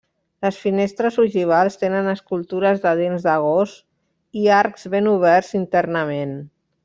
Les finestres ogivals tenen escultures de dents de gos i arcs ben oberts internament.